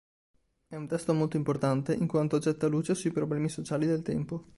È un testo molto importante in quanto getta luce sui problemi sociali del tempo.